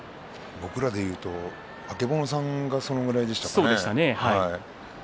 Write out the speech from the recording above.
僕らの時代だと曙さんがそのくらいでしたよね。